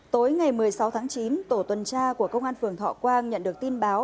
tối ngày một mươi sáu tháng chín tổ tuần tra của công an phường thọ quang nhận được tin báo